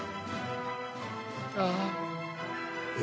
［ああ］